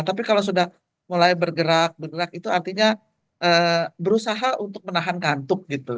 tapi kalau sudah mulai bergerak bergerak itu artinya berusaha untuk menahan kantuk gitu